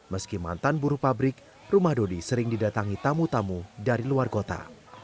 meski mantan buruh pabrik rumah dodi sering didatangi tamu tamu dari luar kota